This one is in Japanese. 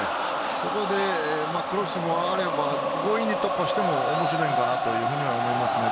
そこでクロスも上がれば強引に突破しても面白いのかなと思いますね。